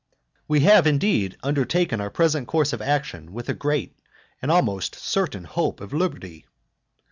X. We have, indeed, undertaken our present course of action with a great and almost certain hope of liberty.